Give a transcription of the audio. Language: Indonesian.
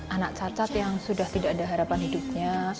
anak cacat yang sudah tidak ada harapan hidupnya